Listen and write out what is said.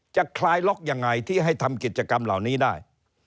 คลายล็อกยังไงที่ให้ทำกิจกรรมเหล่านี้ได้